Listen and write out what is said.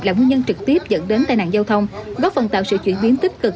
là nguyên nhân trực tiếp dẫn đến tai nạn giao thông góp phần tạo sự chuyển biến tích cực